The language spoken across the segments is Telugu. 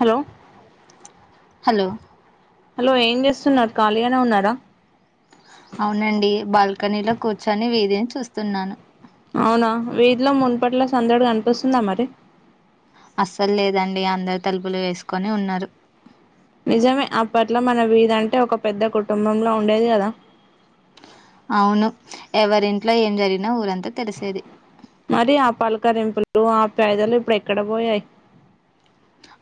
హలో హలో హలో ఏం చేస్తున్నారు ఖాళీగానే ఉన్నారా అవునండి బాల్కనీలో కూర్చొని వీధిలో చూస్తున్నాను అవునా వీధిలో మున్పట్ల సందడుగా కనిపిస్తుందా మరి అస్సలు లేదండి అందరు తలుపులు వేసుకొని ఉన్నారు నిజమే అప్పట్లో మన వీదంటే ఒక పెద్ద కుటుంబంల ఉండేది కదా అవును ఎవరింట్లో ఏం జరిగినా ఊరంతా తెలిసేది మరి అపాల కరింపులు ఆ పేదలు ఇప్పుడు ఎక్కడ పోయాయి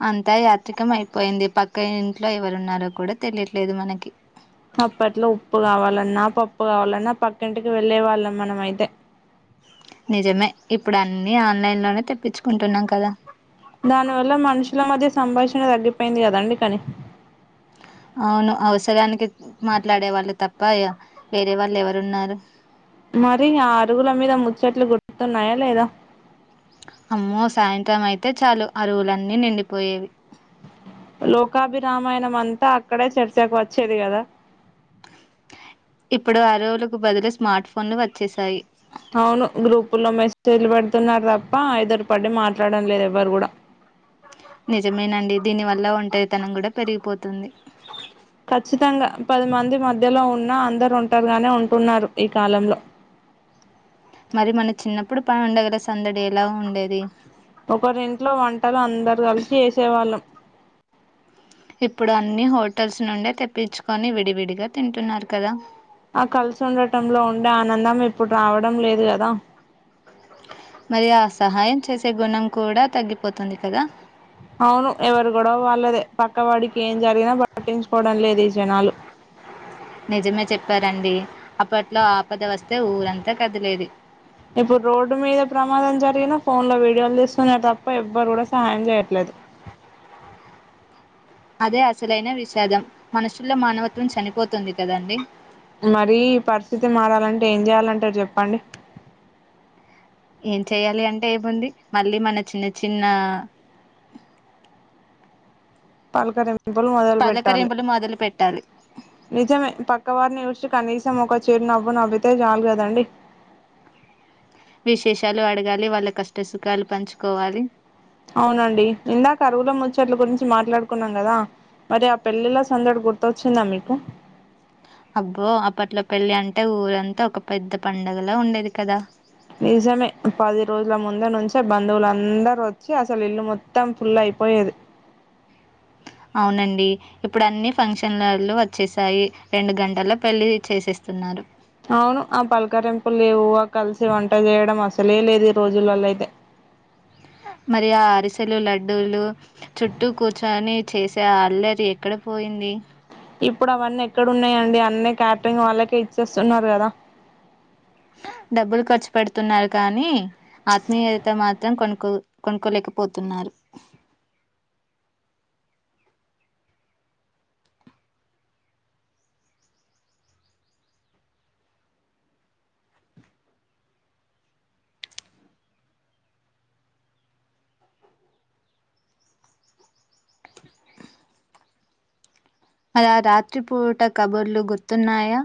అంతా యాత్రికం అయిపోయింది పక్క ఇంట్లో ఎవరున్నారో కూడా తెలియట్లేదు మనకి అప్పట్లో ఉప్పు కావాలన్నా పప్పు కావాలన్నా పక్కింటికి వెళ్ళే వాళ్ళం మనం అయితే నిజమే ఇప్పుడు అన్ని ఆన్లైన్ లోనే తెప్పించుకుంటున్నాం కదా దానివల్ల మనుషుల మధ్య సంభాషణ తగ్గిపోయింది కదండి కానీ అవును అవసరానికి మాట్లాడే వాళ్ళు తప్ప వేరే వాళ్ళు ఎవరున్నారు మరి ఆ అరుగుల మీద ముచ్చట్లు గుర్తున్నాయా లేదా అమ్మో సాయంత్రం అయితే చాలు అరువులన్నీ నిండిపోయేవి లోకాభిరామాయణం అంతా అక్కడే చర్చకు వచ్చేది కదా ఇప్పుడు ఆరు రోజులకు బదులు స్మార్ట్ ఫోన్లు వచ్చేసాయి అవును గ్రూపు లో మెసేజ్లు పెడుతున్నారు తప్ప ఎదురు పడి మాట్లాడం లేదు ఎవ్వరు కూడా నిజమేనండి దీనివల్ల ఒంటరితనం కూడా పెరిగిపోతుంది ఖచ్చితంగా పది మంది మధ్యలో ఉన్న అందరు ఒంటరిగానే ఉంటున్నారు ఈ కాలంలో మరి మనం చిన్నప్పుడు పని ఉండగలసి అందడి ఎలా ఉండేది ఒకరింట్లో వంటలు అందరు కలిసి ఏసేవాళ్ళం ఇప్పుడు అన్ని హోటల్స్ నుండే తెప్పించుకొని విడివిడిగా తింటున్నారు కదా ఆ కలిసి ఉండటంలో ఉండే ఆనందం ఇప్పుడు రావడం లేదు కదా మరి ఆ సహాయం చేసే గుణం కూడా తగ్గిపోతుంది కదా అవును ఎవరు గొడవ వాళ్ళదే పక్కవాడికి ఏం జరిగినా పట్టించుకోవడం లేదు ఈ జనాలు నిజమే చెప్పారండి అప్పట్లో ఆపద వస్తే ఊరంతా కదిలేది ఇప్పుడు రోడ్డు మీద ప్రమాదం జరిగినా ఫోన్ లో వీడియోలు తీస్తున్నారు తప్ప ఎవ్వరు కూడా సహాయం చేయట్లేదు అదే అసలైన విషాదం మనుషుల్లో మానవత్వం చనిపోతుంది కదండి మరీ పరిస్థితి మారాలంటే ఏం చేయాలంటారు చెప్పండి ఏం చెయ్యాలి అంటే అయిపోంది మళ్ళీ మన చిన్న చిన్న పల్కరిం పులు మొదలు పెట్టాలి పలకరింపులు మొదలు పెట్టాలి నిజమే పక్కవారిని చూసి కనీసం ఒక చిరు నవ్వు నవ్వితే చాలు కదండి విశేషాలు అడగాలి వాళ్ళ కష్ట సుఖాలు పంచుకోవాలి అవునండి ఇందాక అరువుల ముచ్చట్ల గురించి మాట్లాడుకున్నాం కదా మరి ఆ పెళ్ళిలో సందడి గుర్తొచ్చిందా మీకు అబ్బో అప్పట్లో పెళ్ళి అంటే ఊరంతా ఒక పెద్ద పండగలా ఉండేది కదా నిజమే పది రోజుల ముంద నుంచే బంధువులందరు వచ్చి అసలు ఇల్లు మొత్తం ఫుల్ అయిపోయేది అవునండి ఇప్పుడు అన్ని ఫంక్షన్ హాళ్లు వచ్చేసాయి రెండు గంటల్లో పెళ్ళి చేసేస్తున్నారు అవును ఆ పలకరిెంపులువు కలిసి వంట చేయడం అసలే లేదు ఈ రోజులలో అయితే మరి ఆ అరిసెలు లడ్డూలు చుట్టూ కూర్చొని చేసే అల్లరి ఎక్కడ పోయింది ఇప్పుడు అవన్నీ ఎక్కడ ఉన్నాయంండి అన్నీ క్యాటరింగ్ వాళ్ళకే ఇచ్చేస్తున్నారు కదా డబ్బులు ఖర్చు పెడుతున్నారు కానీ ఆత్మీయత మాత్రం కొను కొనుక్కలేకపోతున్నారు అలా రాత్రిపూట కబుర్లు గుర్తున్నాయా